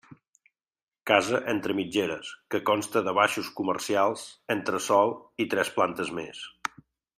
Casa entre mitgeres, que consta de baixos comercials, entresòl i tres plantes més.